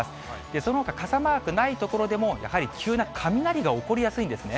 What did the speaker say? そのほか、傘マークない所でも、やはり急な雷が起こりやすいんですね。